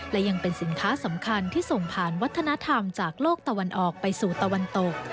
และยังเป็นสินค้าสำคัญที่ส่งผ่านวัฒนธรรมจากโลกตะวันออกไปสู่ตะวันตก